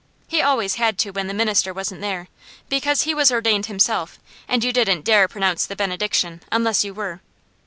He always had to when the minister wasn't there, because he was ordained himself, and you didn't dare pronounce the benediction unless you were.